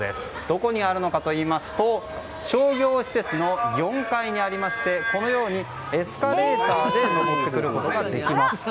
どこにあるのかといいますと商業施設の４階にありましてこのようにエスカレーターで上ってくることができます。